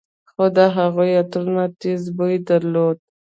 خو د هغوى عطرونو تېز بوى درلود.